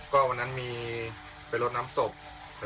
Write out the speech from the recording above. ก็วันนั้นมีไปลดน้ำศพ